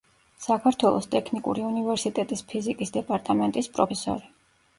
საქართველოს ტექნიკური უნივერსიტეტის ფიზიკის დეპარტამენტის პროფესორი.